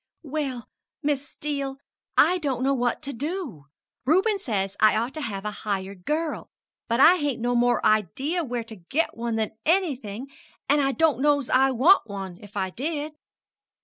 "Well, Mis' Steele, I don't know what to do. Reuben says I ought to have a hired girl; but I hain't no more idea where to get one than anything, an' I don't know's I want one, if I did."